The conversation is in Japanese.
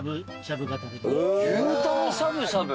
牛タンしゃぶしゃぶ。